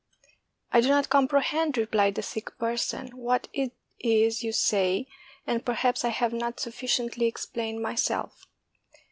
"I do not comprehend," replied the sick person, "what it is you say, and perhaps I have not sufficiently explained myself.